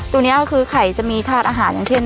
ตัวนี้ก็คือไข่จะมีธาตุอาหารอย่างเช่น